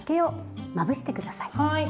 はい。